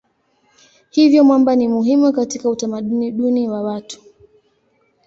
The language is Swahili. Hivyo mwamba ni muhimu katika utamaduni wa watu.